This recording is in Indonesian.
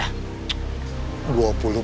dua puluh pak rt